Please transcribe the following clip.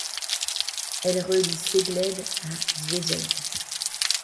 Elle relie Cegléd à Szeged.